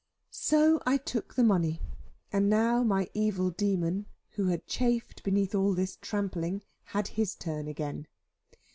So I took the money; and now my evil demon, who had chafed beneath all this trampling, had his turn again.